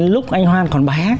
lúc anh hoan còn bé